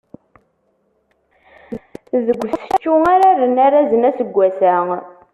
Deg usečču ara rren arazen aseggas-a.